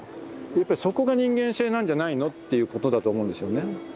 やっぱりそこが人間性なんじゃないの？っていうことだと思うんですよね。